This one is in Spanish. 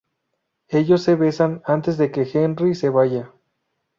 Ellos se besan antes de que Henry se vaya.